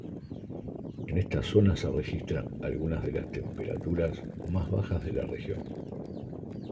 En esta zonas se registran algunas de las temperaturas más bajas de la región.